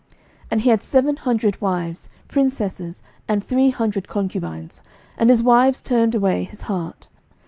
11:011:003 And he had seven hundred wives, princesses, and three hundred concubines: and his wives turned away his heart.